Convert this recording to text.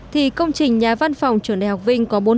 thì công trình nhà văn phòng trường đại học vinh có một phần